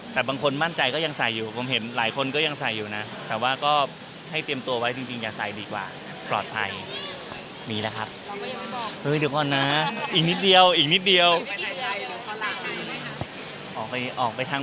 มันก็จะแบบคือมันไม่มีความหมายนะครับ